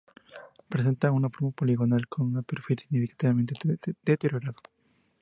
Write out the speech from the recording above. Presenta una forma poligonal, con un perfil significativamente deteriorado.